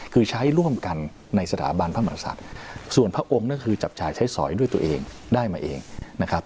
คือใช้ร่วมกันในสถาบันพระมศัตริย์ส่วนพระองค์นั่นคือจับจ่ายใช้สอยด้วยตัวเองได้มาเองนะครับ